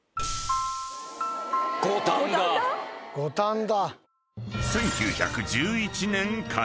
五反田！